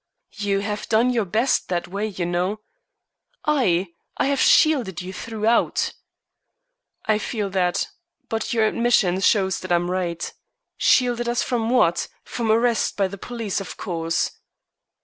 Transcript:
"You have done your best that way, you know." "I? I have shielded you throughout!" "I feel that. But your admission shows that I am right. Shielded us from what? From arrest by the police, of course."